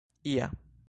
ia